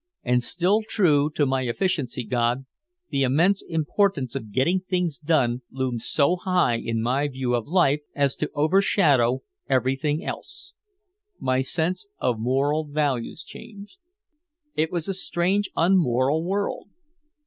And still true to my efficiency god, the immense importance of getting things done loomed so high in my view of life as to overshadow everything else. My sense of moral values changed. It was a strange unmoral world.